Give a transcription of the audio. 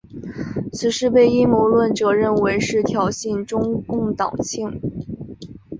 此事被阴谋论者认为是挑衅中共党庆。